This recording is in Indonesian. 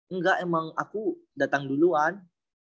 enggak emang aku datang duluan